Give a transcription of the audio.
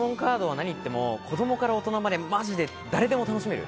子供から大人までマジで誰でも楽しめる。